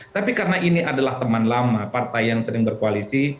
tapi karena ini adalah teman lama partai yang sering berkoalisi